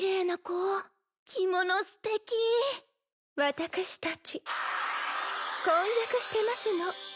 私たち婚約してますの。